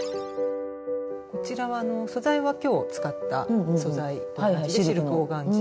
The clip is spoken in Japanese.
こちらは素材は今日使った素材と同じでシルクオーガンジーで。